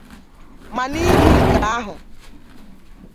ma n'ihi nke ahụ